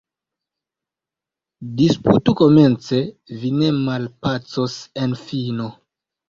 Disputu komence — vi ne malpacos en fino.